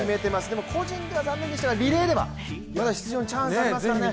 でも個人では残念でしたがリレーではまだ出場のチャンスありますからね。